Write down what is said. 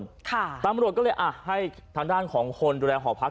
ค่ะตำรวจก็เลยอ่ะให้ทางด้านของคนดูแลหอพัก